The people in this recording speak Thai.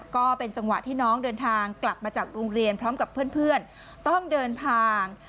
ก็เป็นจังหวะที่น้องเดินทางกลับมาจากโรงเรียนพร้อมกับเพื่อนต้องเดินทาง